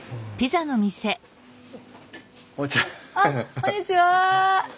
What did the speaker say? こんにちは。